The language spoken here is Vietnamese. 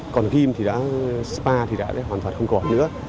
còn kim thì đã spa thì đã hoàn toàn không còn nữa